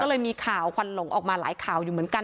ก็เลยมีข่าวควันหลงออกมาหลายข่าวอยู่เหมือนกัน